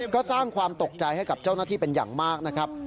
ก็สร้างความตกใจให้กับเจ้าหน้าที่เป็นอย่างมากนะครับ